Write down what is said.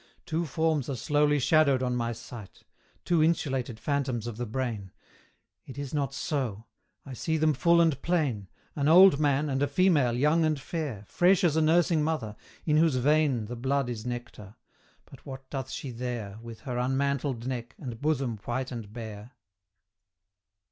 Two forms are slowly shadowed on my sight Two insulated phantoms of the brain: It is not so: I see them full and plain An old man, and a female young and fair, Fresh as a nursing mother, in whose vein The blood is nectar: but what doth she there, With her unmantled neck, and bosom white and bare?